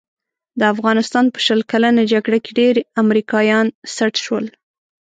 د افغانستان په شل کلنه جګړه کې ډېر امریکایان سټ شول.